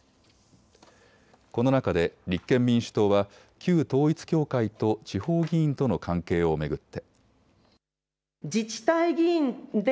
この中で立憲民主党は旧統一教会と地方議員との関係を巡って。